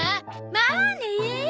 まあね。